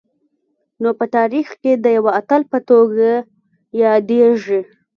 نو په تاریخ کي د یوه اتل په توګه یادیږي